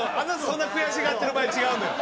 そんな悔しがってる場合違うのよ